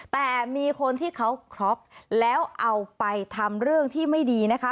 แต่มีคนที่เขาครอบแล้วเอาไปทำเรื่องที่ไม่ดีนะคะ